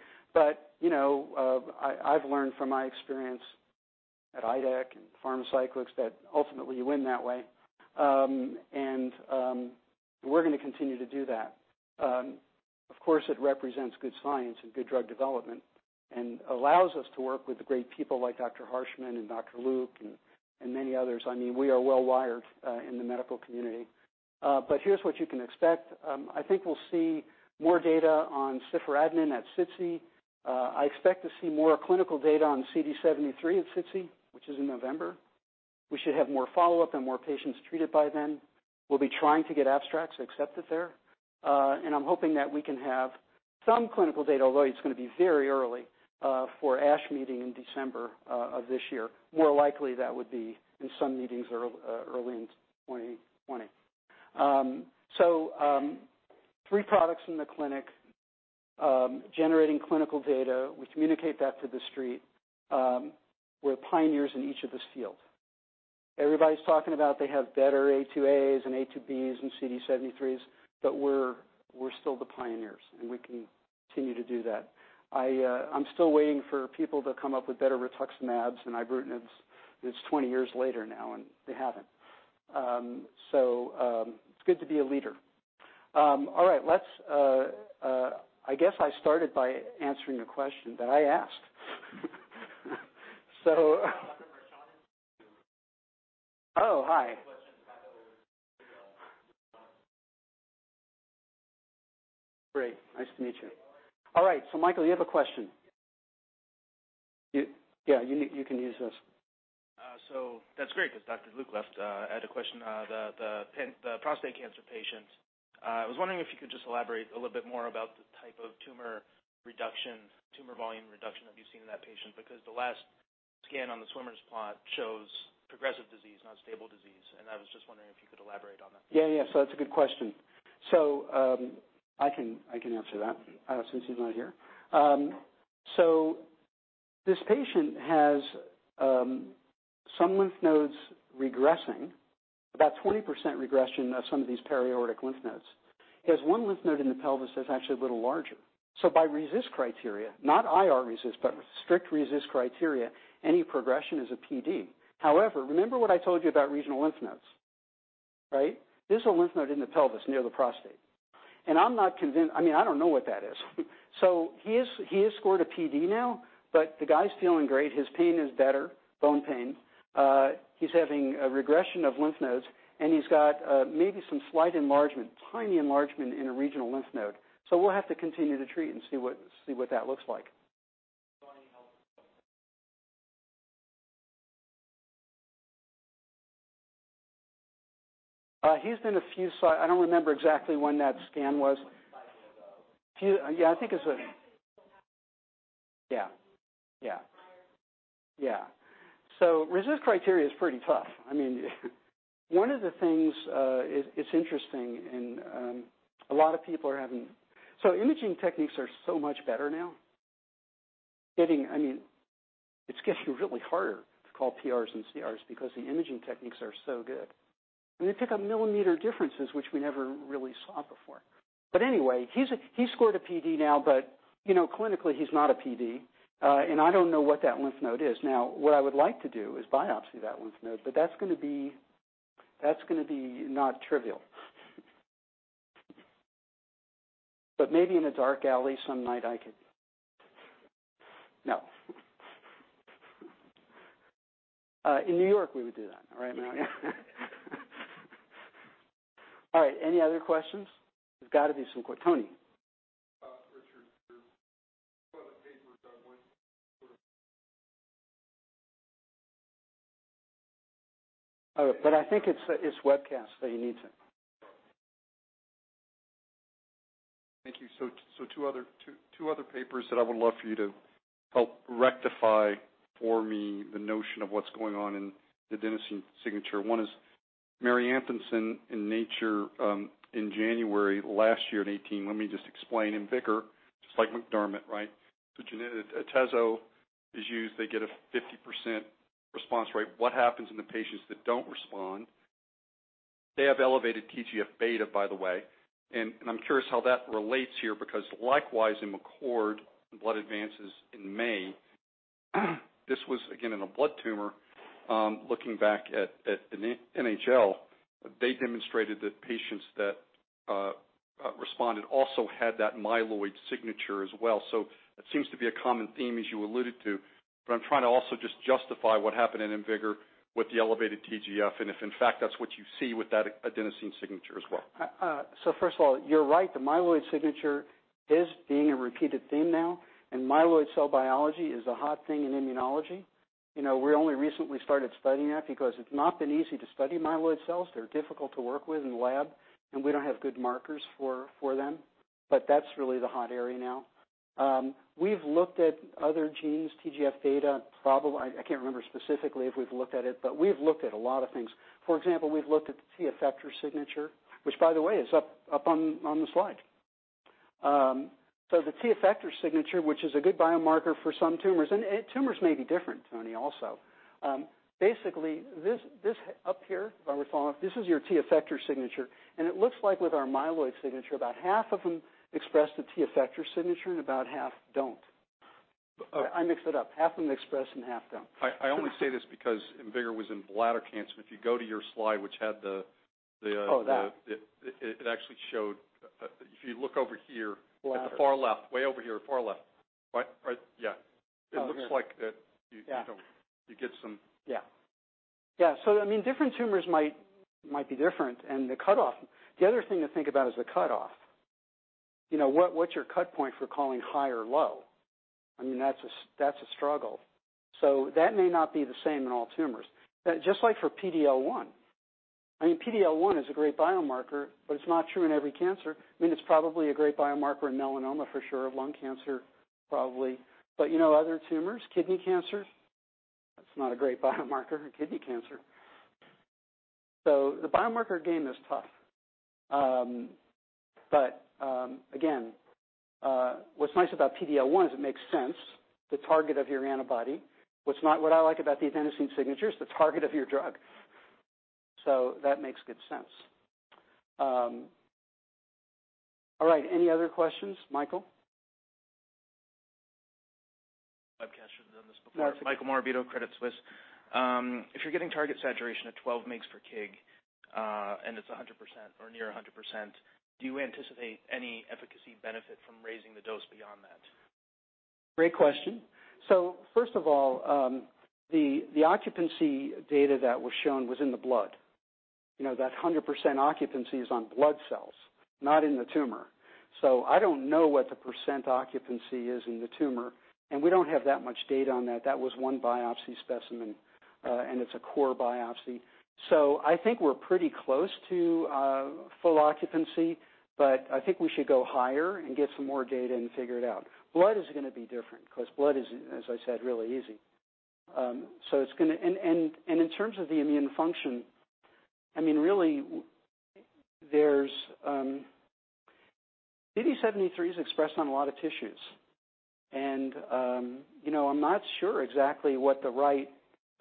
I've learned from my experience at IDEC and Pharmacyclics that ultimately you win that way. We're going to continue to do that. Of course, it represents good science and good drug development and allows us to work with the great people like Dr. Harshman and Dr. Luke and many others. I mean, we are well-wired in the medical community. Here's what you can expect. I think we'll see more data on ciforadenant at SITC. I expect to see more clinical data on CD73 at SITC, which is in November. We should have more follow-up and more patients treated by then. I'm hoping that we can have some clinical data, although it's going to be very early, for ASH Meeting in December of this year. More likely that would be in some meetings early in 2020. Three products in the clinic, generating clinical data. We communicate that to the street. We're pioneers in each of those fields. Everybody's talking about they have better A2As and A2Bs and CD73s, but we're still the pioneers, and we can continue to do that. I'm still waiting for people to come up with better rituximab and ibrutinibs. It's 20 years later now, and they haven't. It's good to be a leader. All right. I guess I started by answering a question that I asked. Oh, hi. Great. Nice to meet you. All right. Michael, you have a question? Yeah, you can use this. That's great because Dr. Luke left. I had a question. The prostate cancer patient. I was wondering if you could just elaborate a little bit more about the type of tumor volume reduction that you've seen in that patient because the last scan on the swimmer plot shows progressive disease, not stable disease. I was just wondering if you could elaborate on that. Yeah. That's a good question. I can answer that since he's not here. This patient has some lymph nodes regressing, about 20% regression of some of these periodic lymph nodes. He has one lymph node in the pelvis that's actually a little larger. By RECIST criteria, not iRECIST, but strict RECIST criteria, any progression is a PD. However, remember what I told you about regional lymph nodes. Right? This is a lymph node in the pelvis near the prostate, I'm not convinced. I don't know what that is. He has scored a PD now, but the guy's feeling great. His pain is better. Bone pain. He's having a regression of lymph nodes, and he's got maybe some slight enlargement, tiny enlargement in a regional lymph node. We'll have to continue to treat and see what that looks like. Tony. He's been I don't remember exactly when that scan was. Five years ago. Yeah, I think it's a Yeah. Yeah. Yeah. RECIST criteria is pretty tough. One of the things is interesting and a lot of people are having. Imaging techniques are so much better now. It's getting really harder to call PRs and CRs because the imaging techniques are so good. They pick up millimeter differences which we never really saw before. Anyway, he scored a PD now, but clinically, he's not a PD. I don't know what that lymph node is. Now, what I would like to do is biopsy that lymph node, that's going to be not trivial. Maybe in a dark alley some night I could. No. In New York, we would do that. Right, Mario? All right. Any other questions? There's got to be some. Tony. Richard, there's a couple of papers I want I think it's webcast, you need to Thank you. Two other papers that I would love for you to help rectify for me the notion of what's going on in the adenosine signature. One is [Mary Antonson] in Nature in January last year in 2018. Let me just explain. IMvigor, just like McDermott. atezo is used. They get a 50% response rate. What happens in the patients that don't respond? They have elevated TGF beta, by the way. I'm curious how that relates here, because likewise in cord blood, in Blood Advances in May, this was again in a blood tumor. Looking back at NHL, they demonstrated that patients that responded also had that myeloid signature as well. That seems to be a common theme as you alluded to, I'm trying to also just justify what happened in IMvigor with the elevated TGF and if in fact that's what you see with that adenosine signature as well. First of all, you're right. The myeloid signature is being a repeated theme now, and myeloid cell biology is a hot thing in immunology. We only recently started studying that because it's not been easy to study myeloid cells. They're difficult to work with in the lab, and we don't have good markers for them. That's really the hot area now. We've looked at other genes, TGF beta. I can't remember specifically if we've looked at it, but we've looked at a lot of things. For example, we've looked at the T effector signature, which by the way is up on the slide. The T effector signature, which is a good biomarker for some tumors, and tumors may be different, Tony, also. Basically, this up here where we saw, this is your T effector signature, and it looks like with our myeloid signature, about half of them express the T effector signature and about half don't. Okay. I mixed it up. Half of them express and half don't. I only say this because IMvigor was in bladder cancer. If you go to your slide which had the Oh, that. It actually showed, if you look over here. Bladder at the far left. Way over here, far left. Yeah. Oh, here. It looks like. Yeah You get some. Yeah. Different tumors might be different and the cutoff. The other thing to think about is the cutoff. What's your cut point for calling high or low? That's a struggle. That may not be the same in all tumors. Just like for PD-L1. PD-L1 is a great biomarker, but it's not true in every cancer. It's probably a great biomarker in melanoma for sure, lung cancer probably. Other tumors, kidney cancer, it's not a great biomarker in kidney cancer. The biomarker game is tough. Again, what's nice about PD-L1 is it makes sense, the target of your antibody. What I like about the adenosine gene signature is the target of your drug. That makes good sense. All right. Any other questions? Michael? Webcast should've done this before. No, it's okay. Michael Morabito, Credit Suisse. If you're getting target saturation at 12 mg/kg, and it's 100% or near 100%, do you anticipate any efficacy benefit from raising the dose beyond that? Great question. First of all, the occupancy data that was shown was in the blood. That 100% occupancy is on blood cells, not in the tumor. I don't know what the percent occupancy is in the tumor, and we don't have that much data on that. That was one biopsy specimen, and it's a core biopsy. I think we're pretty close to full occupancy, but I think we should go higher and get some more data and figure it out. Blood is going to be different because blood is, as I said, really easy. In terms of the immune function, CD73 is expressed on a lot of tissues, and I'm not sure exactly what the right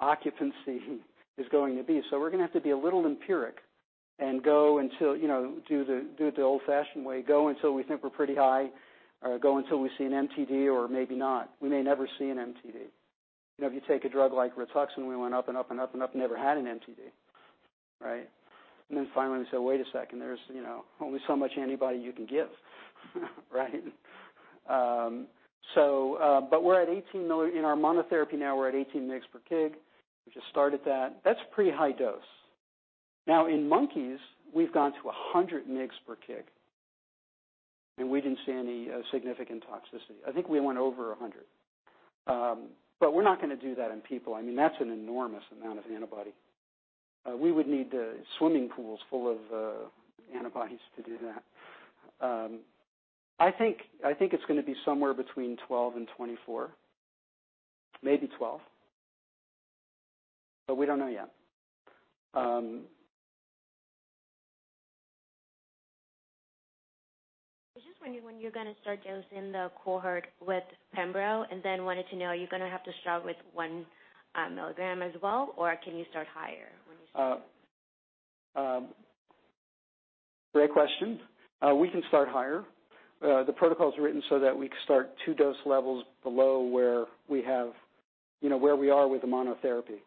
occupancy is going to be. We're going to have to be a little empiric and do it the old-fashioned way. Go until we think we're pretty high, or go until we see an MTD or maybe not. We may never see an MTD. If you take a drug like Rituxan, we went up and up and up and up and never had an MTD. Right? Then finally we said, "Wait a second, there's only so much antibody you can give." Right? In our monotherapy now, we're at 18 mg/kg. We just started that. That's a pretty high dose. Now, in monkeys, we've gone to 100 mg/kg, and we didn't see any significant toxicity. I think we went over 100. We're not going to do that in people. That's an enormous amount of antibody. We would need swimming pools full of antibodies to do that. I think it's going to be somewhere between 12 and 24. Maybe 12. We don't know yet. I was just wondering when you're going to start dosing the cohort with Pembro, and then wanted to know, are you going to have to start with one milligram as well, or can you start higher when you start? Great question. We can start higher. The protocol's written that we start two dose levels below where we are with the monotherapy.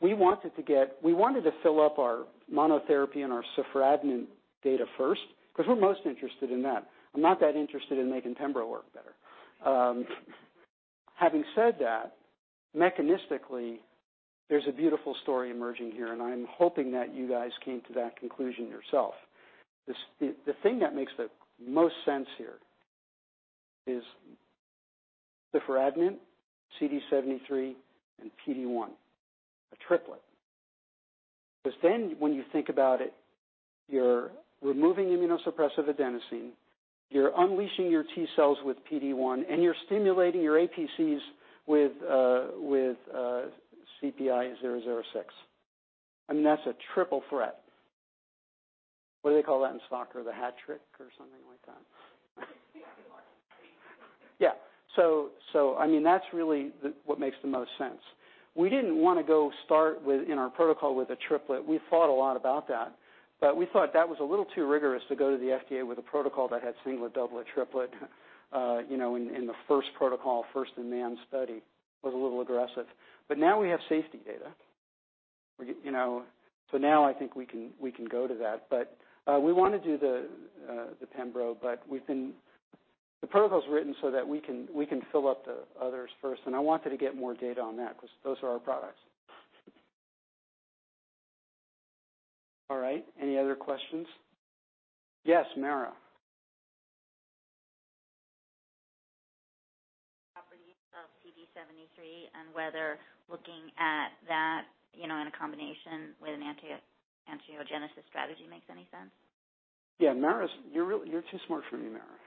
We wanted to fill up our monotherapy and our ciforadenant data first because we're most interested in that. I'm not that interested in making Pembro work better. Having said that, mechanistically, there's a beautiful story emerging here, and I'm hoping that you guys came to that conclusion yourself. The thing that makes the most sense here is ciforadenant, CD73, and PD-1. A triplet. When you think about it, you're removing immunosuppressive adenosine, you're unleashing your T cells with PD-1, and you're stimulating your APCs with CPI-006. That's a triple threat. What do they call that in soccer? The hat trick or something like that? Yeah. Yeah. That's really what makes the most sense. We didn't want to go start in our protocol with a triplet. We thought a lot about that. We thought that was a little too rigorous to go to the FDA with a protocol that had singlet, doublet, triplet in the first protocol, first-in-man study. It was a little aggressive. Now we have safety data. Now I think we can go to that. We want to do the Pembro, but the protocol's written so that we can fill up the others first, and I wanted to get more data on that because those are our products. All right. Any other questions? Yes, Mara? Properties of CD73 and whether looking at that in a combination with an angiogenesis strategy makes any sense? Yeah. Mara, you're too smart for me, Mara.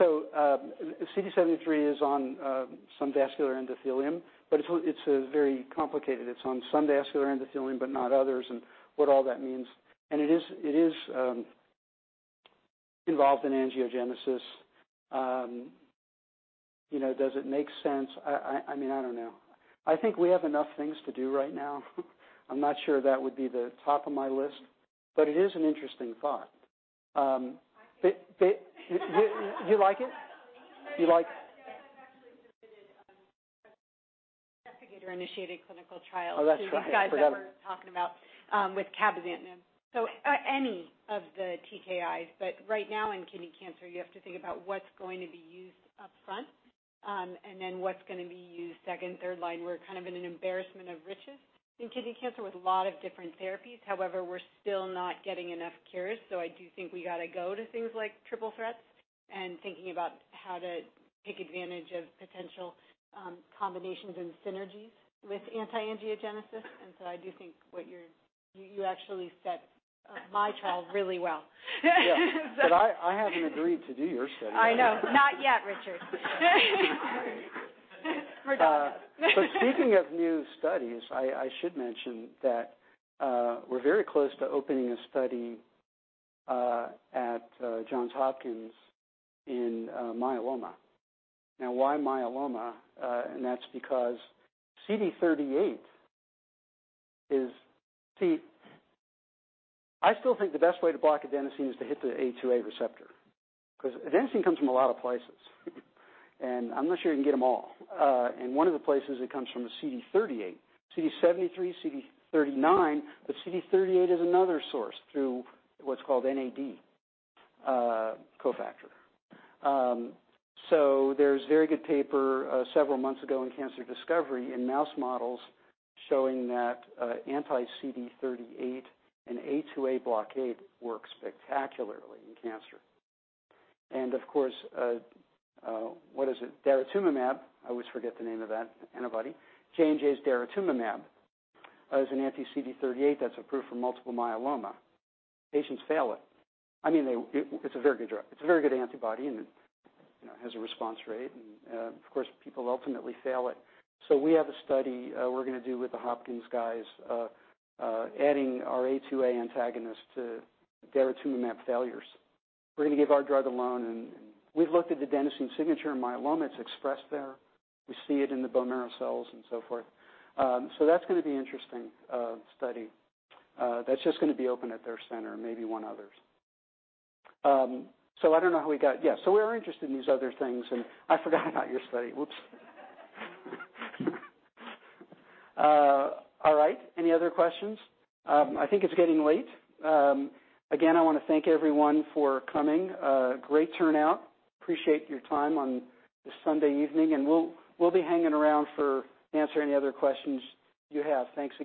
CD73 is on some vascular endothelium, but it's very complicated. It's on some vascular endothelium but not others, and what all that means. It is involved in angiogenesis. Does it make sense? I don't know. I think we have enough things to do right now. I'm not sure that would be the top of my list, but it is an interesting thought. I like it. You like it? I like it. You like- I've actually submitted investigator-initiated clinical trials. Oh, that's right. I forgot about. to these guys that we're talking about with cabozantinib. Any of the TKIs, but right now in kidney cancer, you have to think about what's going to be used up front, and then what's going to be used 2nd, 3rd line. We're kind of in an embarrassment of riches in kidney cancer with a lot of different therapies. However, we're still not getting enough cures, I do think we got to go to things like triple threats and thinking about how to take advantage of potential combinations and synergies with anti-angiogenesis. I do think what you actually said my trial really well. Yeah. I haven't agreed to do your study. I know. Not yet, Richard. We're talking. Speaking of new studies, I should mention that we're very close to opening a study at Johns Hopkins in myeloma. Why myeloma? That's because CD38 is. I still think the best way to block adenosine is to hit the A2A receptor, because adenosine comes from a lot of places, and I'm not sure you can get them all. One of the places it comes from is CD38. CD73, CD39, but CD38 is another source through what's called NAD cofactor. There was a very good paper several months ago in Cancer Discovery in mouse models showing that anti-CD38 and A2A blockade work spectacularly in cancer. Of course, what is it? daratumumab, I always forget the name of that antibody. J&J's daratumumab is an anti-CD38 that's approved for multiple myeloma. Patients fail it. It's a very good drug. It's a very good antibody, and it has a response rate, and of course, people ultimately fail it. We have a study we're going to do with the Hopkins guys adding our A2A antagonist to daratumumab failures. We're going to give our drug alone, and we've looked at the adenosine signature in myeloma. It's expressed there. We see it in the bone marrow cells and so forth. That's going to be interesting study. That's just going to be open at their center, maybe one others. I don't know. We are interested in these other things, I forgot about your study. Whoops. All right. Any other questions? I think it's getting late. Again I want to thank everyone for coming. Great turnout. Appreciate your time on this Sunday evening, we'll be hanging around for answer any other questions you have. Thanks again.